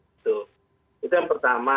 itu itu yang pertama